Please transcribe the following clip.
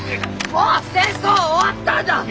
もう戦争は終わったんだ！